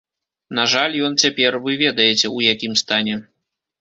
На жаль ён цяпер, вы ведаеце, у якім стане.